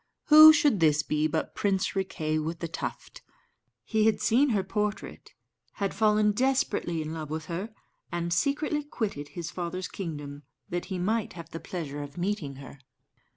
Who should this be but Prince Riquet with the Tuft? He had seen her portrait, had fallen desperately in love with her, and secretly quitted his father's kingdom that he might have the pleasure of meeting her.